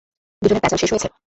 দুজনের প্যাচাল শেষ হয়েছে?